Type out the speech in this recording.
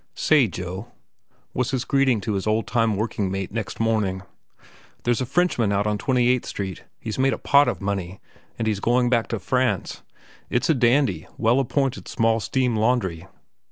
"Say, Joe," was his greeting to his old time working mate next morning, "there's a Frenchman out on Twenty eighth Street. He's made a pot of money, and he's going back to France. It's a dandy, well appointed, small steam laundry.